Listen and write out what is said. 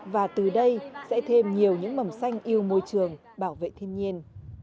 và từ đây sẽ thêm nhiều những mầm xanh yêu môi trường bảo vệ thiên nhiên